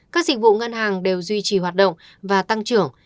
các dịch vụ ngân hàng đều duy trì hoạt động và tăng trưởng